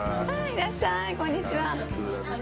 いらっしゃいこんにちは。